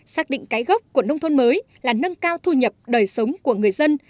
xác định cái gốc của nông thôn mới là nâng cao thu nhập đời sống của người dân